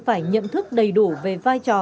phải nhận thức đầy đủ về vai trò